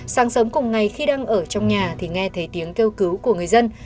sáng sớm cùng ngày khi đang ở trong nhà thì nghe thấy tiếng kêu cứu của người dân